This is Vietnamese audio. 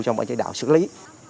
trong các chế độ xử lý